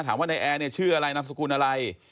ถามว่าในแอร์ชื่ออะไรนามสกุลอะไร